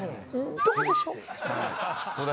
「どうでしょう？」。